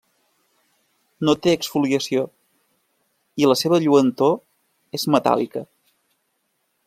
No té exfoliació i la seva lluentor és metàl·lica.